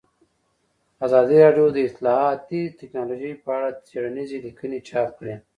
ازادي راډیو د اطلاعاتی تکنالوژي په اړه څېړنیزې لیکنې چاپ کړي.